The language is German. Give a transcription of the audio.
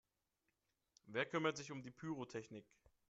Wer kümmert sich um die Pyrotechnik?